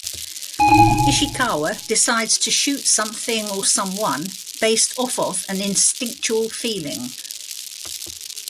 Ishikawa decides to shoot something or someone based off of an instinctual feeling.